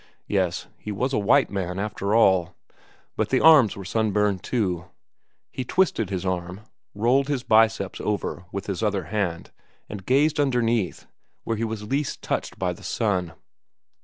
Yes, he was a white man, after all. But the arms were sunburned, too. He twisted his arm, rolled the biceps over with his other hand, and gazed underneath where he was least touched by the sun.